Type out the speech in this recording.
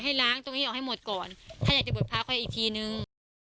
ล้างตรงนี้ออกให้หมดก่อนถ้าอยากจะบวชพระค่อยอีกทีนึง